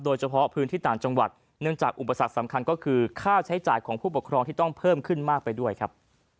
โดยเฉพาะพื้นที่ต่างจังหวัดเนื่องจากอุปสรรคสำคัญก็คือค่าใช้จ่ายของผู้ปกครองที่ต้องเพิ่มขึ้นมากไปด้วยครับ